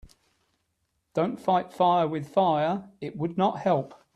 Don‘t fight fire with fire, it would not help.